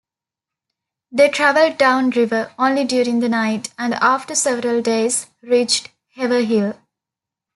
They traveled downriver, only during the night, and after several days reached Haverhill.